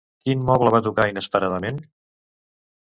Quin moble va tocar inesperadament?